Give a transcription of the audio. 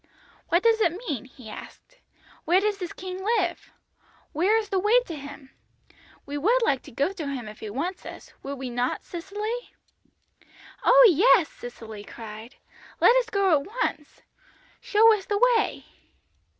"'What does it mean?' he asked. 'Where does this King live? Where is the way to Him? We would like to go to Him if He wants us, would we not, Cicely?' "'Oh, yes,' Cicely cried. 'Let us go at once. Show us the way.'